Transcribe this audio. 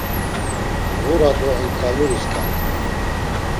Ğura do enǩaluriskani!